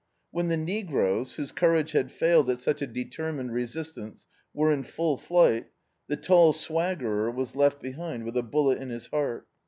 When the negroes, whose courage had failed at such a determined re sistance, were in full flight, the tall swaggerer was left behind with a bullet in his heart.